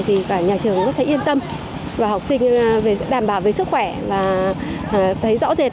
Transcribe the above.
thì cả nhà trường cũng thấy yên tâm và học sinh sẽ đảm bảo về sức khỏe và thấy rõ rệt